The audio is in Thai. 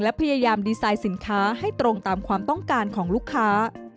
และพยายามดีไซน์สินค้าให้ตรงตามความต้องการของลูกค้า